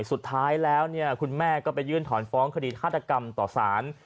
สุดท้ายแล้วคุณแม่ก็ไปยื่นถอนฟ้องคดีฆาตกรรมต่อสาร